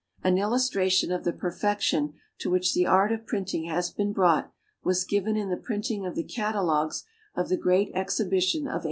An illustration of the perfection to which the art of printing has been brought, was given in the printing of the catalogues of the great Exhibition of 1851.